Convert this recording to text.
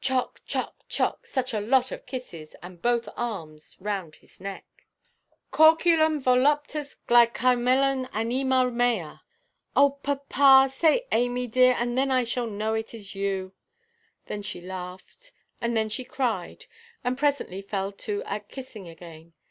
Chock—chock—chock—such a lot of kisses, and both arms round his neck. "Corculum, voluptas, glycymelon, anima mea——" "Oh, papa, say 'Amy dear,' and then I shall know it is you." Then she laughed, and then she cried, and presently fell to at kissing again.